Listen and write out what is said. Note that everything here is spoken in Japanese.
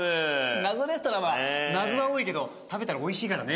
謎レストランは謎は多いけど食べたら美味しいからね。